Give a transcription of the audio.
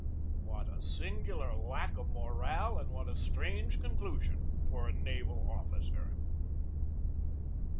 What a singular lack of morale and what a strange conclusion for a naval officer!